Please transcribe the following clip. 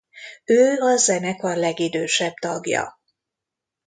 Ő a zenekar legidősebb tagja.